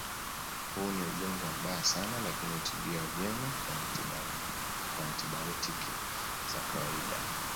Huu ni ugonjwa mbaya sana lakini hutibiwa vyema kwa antibayotiki za kawaida